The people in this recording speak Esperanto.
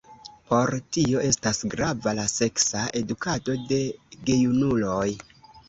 Por tio estas grava la seksa edukado de gejunuloj.